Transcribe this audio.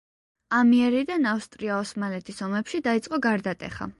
ამიერიდან ავსტრია-ოსმალეთის ომებში დაიწყო გარდატეხა.